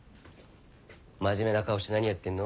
真面目な顔して何やってんの？